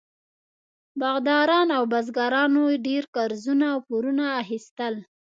باغداران او بزګرانو ډېر قرضونه او پورونه اخیستل.